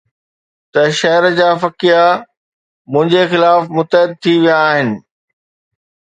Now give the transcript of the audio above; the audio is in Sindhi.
ته شهر جا فقيه منهنجي خلاف متحد ٿي ويا آهن